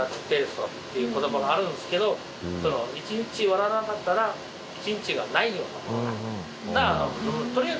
っていう言葉があるんですけど一日笑わなかったら一日がないようなものだ。